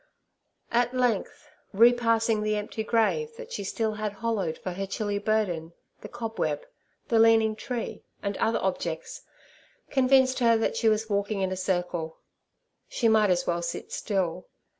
At length, repassing the empty grave that she had hollowed for her chilly burden, the cobweb, the leaning tree, and other objects, convinced her that she was walking in a circle. She might as well sit still.